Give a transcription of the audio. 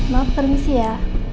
maaf permisi ya